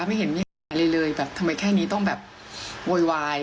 ไม่เห็นอะไรเลยทำไมแค่นี้ต้องโวยวาย